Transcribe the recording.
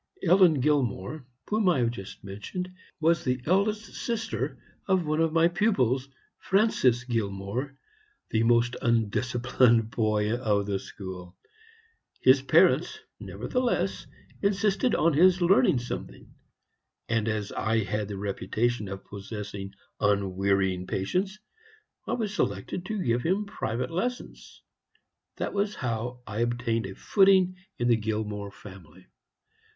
Ellen Gilmore, whom I have just mentioned, was the eldest sister of one of my pupils, Francis Gilmore, the most undisciplined boy of the school. His parents, nevertheless, insisted on his learning something; and as I had the reputation of possessing unwearying patience, I was selected to give him private lessons. That was how I obtained a footing in the Gilmore family.